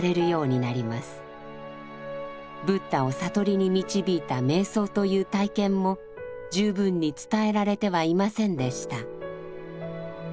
ブッダを悟りに導いた瞑想という体験も十分に伝えられてはいませんでした。